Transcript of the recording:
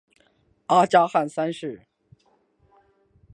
阿加汗三世。